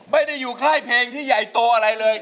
ไม่ได้อยู่ค่ายเพลงที่ใหญ่โตอะไรเลย